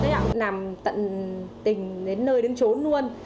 làm tận tình đến nơi đứng trốn luôn